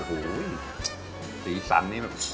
โหสีสันนี่แบบ